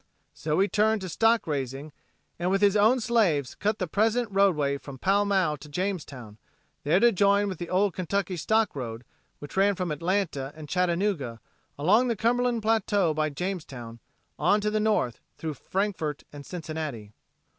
So he turned to stock raising and with his own slaves cut the present roadway from Pall Mall to Jamestown, there to join with the old Kentucky Stock road which ran from Atlanta and Chattanooga, along the Cumberland plateau by Jamestown on to the north through Frankfort and Cincinnati.